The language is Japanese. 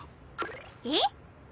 えっ？